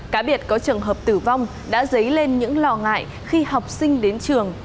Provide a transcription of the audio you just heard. cá biệt có trường hợp tử vong đã dấy lên những lo ngại khi học sinh đến trường